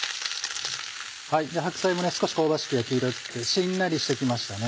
白菜も少し香ばしく焼き色ついてしんなりして来ましたね。